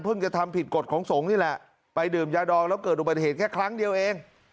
จะทำผิดกฎของสงฆ์นี่แหละไปดื่มยาดองแล้วเกิดอุบัติเหตุแค่ครั้งเดียวเอง